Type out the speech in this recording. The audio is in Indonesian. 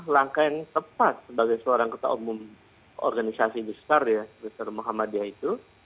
langkah yang tepat sebagai seorang ketua umum organisasi besar ya besar muhammadiyah itu